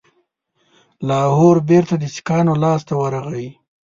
لاهور بیرته د سیکهانو لاسته ورغی.